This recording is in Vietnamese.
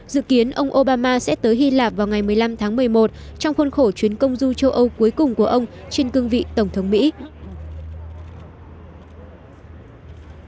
dự kiến ông obama sẽ tới hy lạp vào ngày một mươi năm tháng một mươi một trong khuôn khổ chuyến công du châu âu cuối cùng của ông trên cương vị tổng thống mỹ